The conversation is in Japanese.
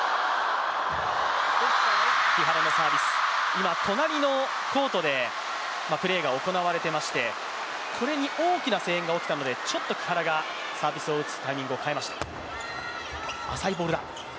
今、隣のコートでプレーが行われていまして、これに大きな声援が起きたのでちょっと木原がサービスを打つタイミングを変えました。